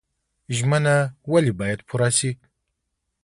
ژمنه ولې باید پوره شي؟